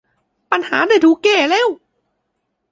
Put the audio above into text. ปัญหาได้ถูกแก้แล้ว